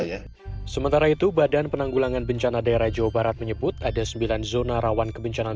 ya sementara itu badan penanggulangan bencana daerah jawa barat menyebut ada sembilan zona rawan kebencanaan